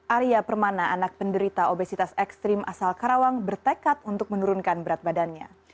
arya permana anak penderita obesitas ekstrim asal karawang bertekad untuk menurunkan berat badannya